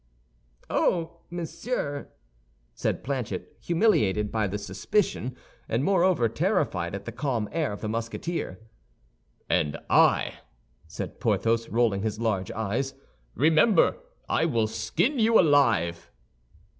"Oh, monsieur!" said Planchet, humiliated by the suspicion, and moreover, terrified at the calm air of the Musketeer. "And I," said Porthos, rolling his large eyes, "remember, I will skin you alive."